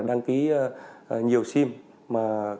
đăng ký nhiều sim